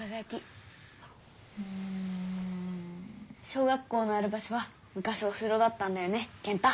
小学校のある場所はむかしお城だったんだよね健太。